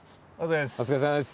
お疲れさまです。